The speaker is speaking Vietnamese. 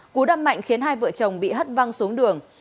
cú đâm mạnh khiến hai vợ chồng bị hất văng xuống đường